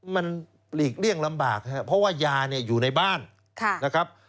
มันหลีกเลี่ยงลำบากนะครับเพราะว่ายาเนี่ยอยู่ในบ้านนะครับ